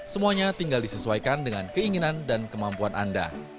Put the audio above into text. semuanya tinggal disesuaikan dengan keinginan dan kemampuan anda